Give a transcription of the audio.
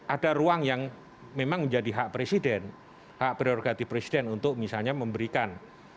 ada ruang yang memang menjadi hak presiden hak prerogatif presiden untuk misalnya memberikan